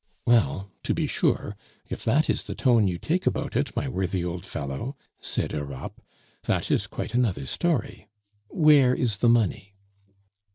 "Well, to be sure, if that is the tone you take about it, my worthy old fellow," said Europe, "that is quite another story. Where is the money?"